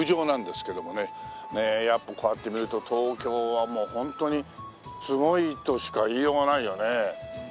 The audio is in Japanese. ええやっぱこうやって見ると東京はもうホントにすごいとしか言いようがないよね。